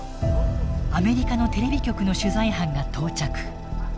アメリカのテレビ局の取材班が到着。